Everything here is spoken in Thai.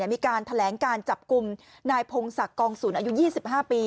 มีการแถลงการจับกลุ่มนายพงศักดิ์กองศูนย์อายุ๒๕ปี